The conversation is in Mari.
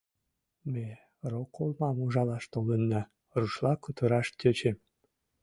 Ме роколмам ужалаш толынна, — рушла кутыраш тӧчем.